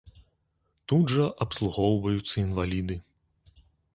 Тут жа абслугоўваюцца інваліды.